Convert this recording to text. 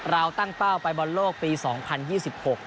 เราตั้งเป้าไปบอลโลกปี๒๐๑๖